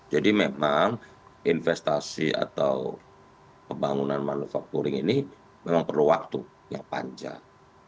jadi memang investasi atau pembangunan manufakturing ini memang perlu waktu yang panjang